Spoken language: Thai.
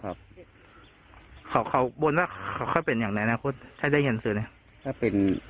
เขาบ่นว่าเขาค่อยเป็นอย่างในอนาคตให้ได้เห็นหนังสือเนี่ย